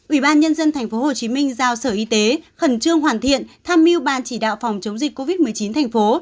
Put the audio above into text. ubnd tp hcm giao sở y tế khẩn trương hoàn thiện tham mưu ban chỉ đạo phòng chống dịch covid một mươi chín thành phố